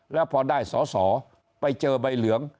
แล้วพอได้สอสอไปเจอใบเหลือง